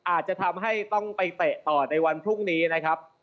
อาจจะทำให้ต้องไปเตะต่อในวันพรุ่งนี้นะครับ